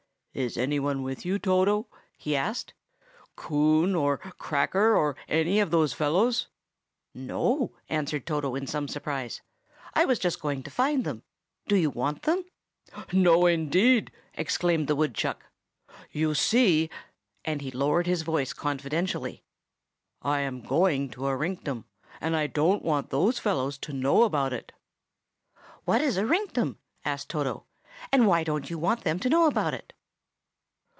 "Is any one with you, Toto?" he asked,—"Coon, or Cracker, or any of those fellows?" "No," answered Toto in some surprise. "I was just going to find them. Do you want them?" "No, indeed!" exclaimed the woodchuck. "You see," and he lowered his voice confidentially, "I am going to a rinktum, and I don't want those fellows to know about it." "What is a rinktum?" asked Toto. "And why don't you want them to know about it?"